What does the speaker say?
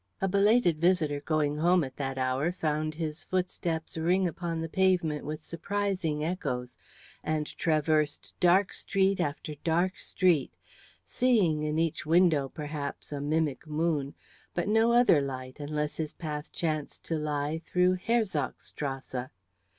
A belated visitor going home at that hour found his footsteps ring upon the pavement with surprising echoes, and traversed dark street after dark street, seeing in each window, perhaps, a mimic moon, but no other light unless his path chanced to lie through Herzogstrasse.